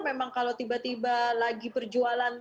memang kalau tiba tiba lagi perjualan